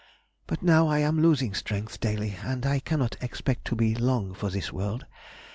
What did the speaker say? but now I am losing strength daily, and I cannot expect to be long for this world.